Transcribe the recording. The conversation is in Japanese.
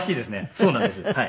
そうなんですはい。